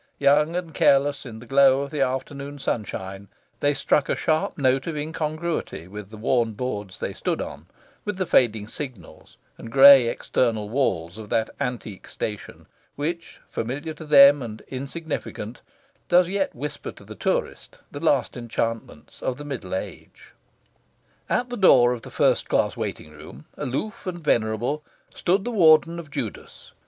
Young and careless, in the glow of the afternoon sunshine, they struck a sharp note of incongruity with the worn boards they stood on, with the fading signals and grey eternal walls of that antique station, which, familiar to them and insignificant, does yet whisper to the tourist the last enchantments of the Middle Age. At the door of the first class waiting room, aloof and venerable, stood the Warden of Judas.